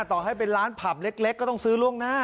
ต่อให้เป็นร้านผับเล็กก็ต้องซื้อล่วงหน้า